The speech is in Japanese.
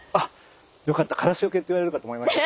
よかったカラスよけって言われるかと思いました。